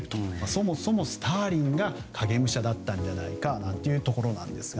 そもそもスターリンが影武者だったんじゃないかなんていうところなんですが。